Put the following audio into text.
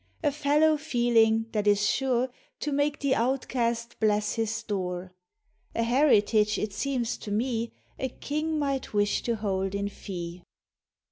A fellow feeling thai is sure To make the outcast bless his door; A heritage, it seems to me, A king might wish to hold in fee.